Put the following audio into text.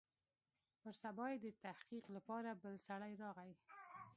پر سبا يې د تحقيق لپاره بل سړى راغى.